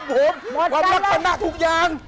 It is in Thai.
ความรักกับหน้าทุกอย่าง